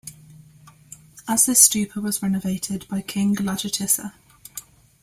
As this stupa was renovated by King Lajjitissa.